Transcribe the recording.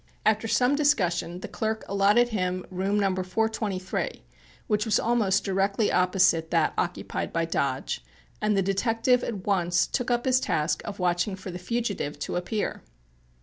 After some discussion the clerk allotted him room Number 423, which was almost directly opposite that occupied by Dodge, and the detective at once took up his task of watching for the fugitive to appear.